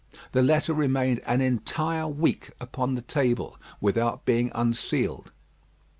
The letter remained an entire week upon the table without being unsealed.